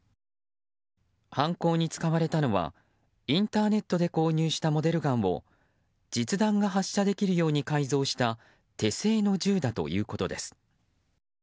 犯行に使われたのはインターネットで購入したモデルガンを実弾が発射できるように改造した手製の銃だということです。